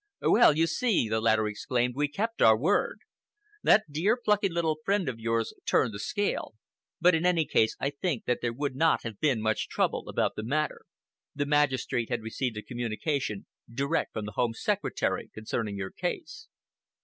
"Well, you see," the latter exclaimed, "we kept our word! That dear plucky little friend of yours turned the scale, but in any case I think that there would not have been much trouble about the matter. The magistrate had received a communication direct from the Home Secretary concerning your case."